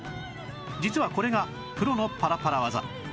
実はこれがプロのパラパラ技